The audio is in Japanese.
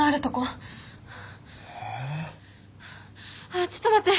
あっちょっと待って。